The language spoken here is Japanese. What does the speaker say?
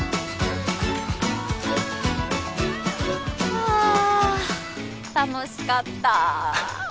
はあ楽しかった！